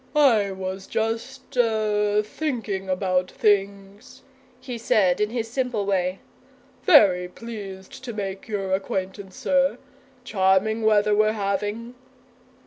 "I was just er thinking about things," he said in his simple way. "Very pleased to make your acquaintance, sir. Charming weather we're having!"